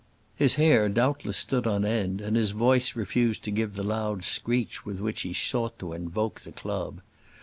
His hair doubtless stood on end, and his voice refused to give the loud screech with which he sought to invoke the club.